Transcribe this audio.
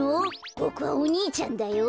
ボクはお兄ちゃんだよ。